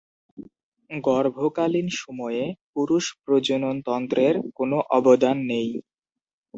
গর্ভকালীন সময়ে পুরুষ প্রজনন তন্ত্রের কোন অবদান নেই।